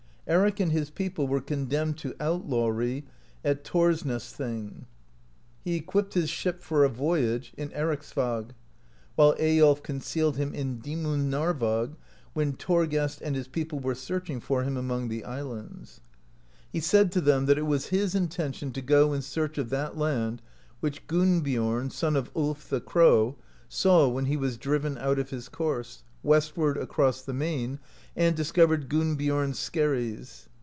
Eric and his people were condemned to outlawry at Thorsness thing (21). He equipped his ship for a voyage, in Ericsvag ; while Eyiolf concealed him in Dimunarvag (22), when Thorgest and his people were searching for him among the islands. 30 PREPARATIONS FOR THE IVESTERN VOYAGE He said to them, that it was his intention to go in search of that land which Gunnbiom (23), son of Ulf the Crow, saw when he was driven out of his course, westward across the main, and discovered Guonbiorns skerries.